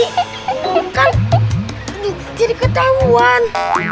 kamu kan jadi ketahuan